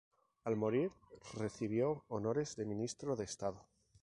Al morir recibió honores de Ministro de Estado.